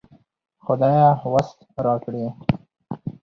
خدايه وس راکړې